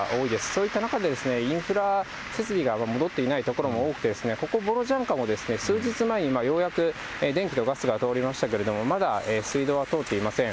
そういった中で、インフラ設備が戻っていない所も多くて、ここボロジャンカも、数日前にようやく電気とガスが通りましたけれども、まだ水道は通っていません。